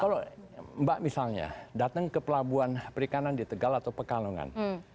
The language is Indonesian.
kalau mbak misalnya datang ke pelabuhan perikanan di tegal atau pekalongan